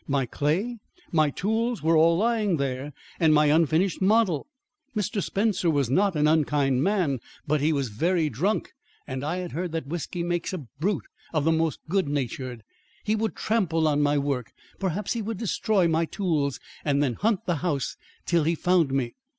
My clay, my tools were all lying there, and my unfinished model. Mr. Spencer was not an unkind man, but he was very drunk, and I had heard that whisky makes a brute of the most good natured. He would trample on my work; perhaps he would destroy my tools and then hunt the house till he found me.